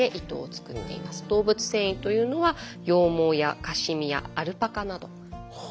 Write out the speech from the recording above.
動物繊維というのは羊毛やカシミヤアルパカなど。